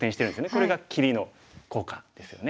これが切りの効果ですよね。